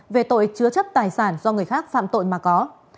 về tội chứa chấp tài sản do người khác phạm tội mà có